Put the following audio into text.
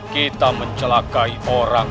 kita mencelakai orang